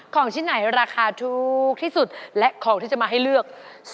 ของชิ้นไหนราคาถูกที่สุดและของที่จะมาให้เลือก